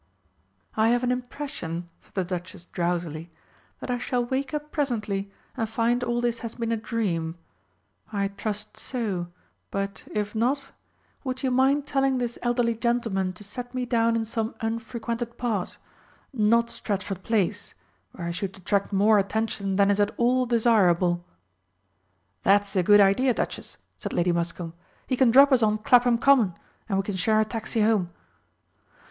"I have an impression," said the Duchess drowsily, "that I shall wake up presently and find all this has been a dream. I trust so, but, if not, would you mind telling this elderly gentleman to set me down in some unfrequented part not Stratford Place, where I should attract more attention than is at all desirable." "That's a good idea, Duchess!" said Lady Muscombe. "He can drop us on Clapham Common, and we can share a taxi home."